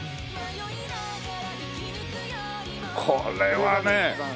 これはね。